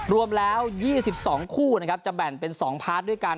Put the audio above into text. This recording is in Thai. รวมแล้ว๒๒คู่นะครับจะแบ่งเป็น๒พาร์ทด้วยกัน